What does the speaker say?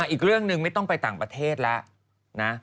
อีกเรื่องหนึ่งไม่ต้องไปต่างประเทศแล้วนะ